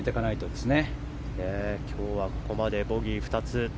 今日はここまでボギー２つ。